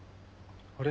あれ？